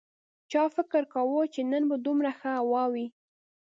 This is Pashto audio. چا فکر کاوه چې نن به دومره ښه هوا وي